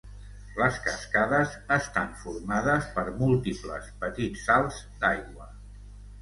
Les cascades estan formades per múltiples petits salts d'aigua.